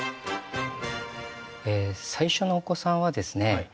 最初のお子さんはですね